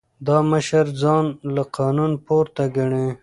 دا مشر ځان له قانون پورته ګڼي.